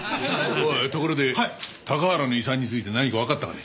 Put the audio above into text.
おいところで高原の遺産について何かわかったかね？